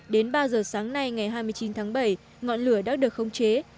đến ba h sáng nay ngày hai mươi chín tháng bảy ngọn lửa đã được không chế